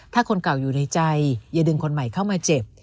ถ้าคนเก่าอยู่ในใจอย่าดึงคนใหม่เข้ามาเจ็บ